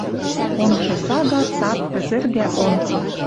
Онгжы сага цат пӹзӹргӓ онг...